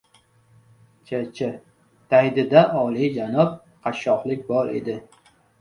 ChCh: Daydida olijanob qashshoqlik bor edi.